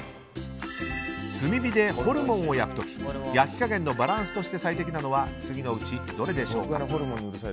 炭火でホルモンを焼く時焼き加減のバランスとして最適なのは次のうちどれでしょうか。